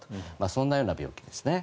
そんなような病気ですね。